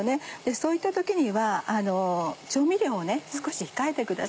そういった時には調味料を少し控えてください。